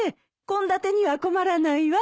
献立には困らないわ。